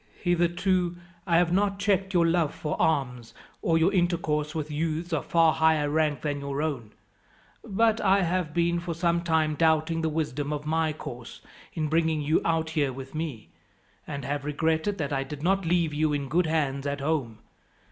"Hitherto I have not checked your love for arms, or your intercourse with youths of far higher rank than your own; but I have been for some time doubting the wisdom of my course in bringing you out here with me, and have regretted that I did not leave you in good hands at home.